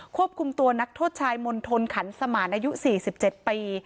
ควบคุมตัวนักโทษชายมณฑลขันสมานอายุ๔๗ปี